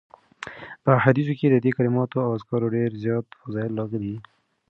په احاديثو کي د دي کلماتو او اذکارو ډير زیات فضائل راغلي